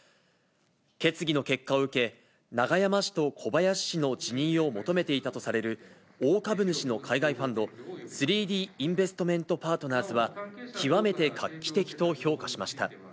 決議の結果を受け、永山氏と小林氏の辞任を求めていたとされる大株主の海外ファンド、３Ｄインベストメント・パートナーズは、極めて画期的と評価しました。